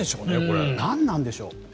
何なんでしょう。